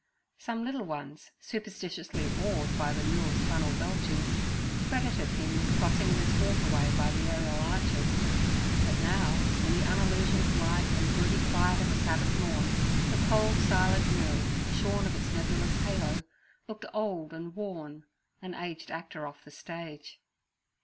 Some little ones, superstitiously awed by the mill's funnel belchings, credited him with crossing this waterway by the aerial arches. But now, in the unillusioned light and broody quiet of a Sabbath morn, the cold, silent mill, shorn of its nebulous halo, looked old and worn—an aged actor off the stage.